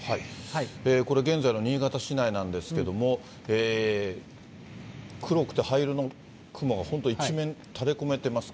これ、現在の新潟市内なんですけども、黒くて灰色の雲が本当、一面垂れこめてます。